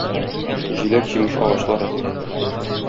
Җиләк-җимеш агачлары